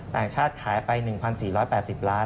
ต่างชาติขายไป๑๔๘๐ล้าน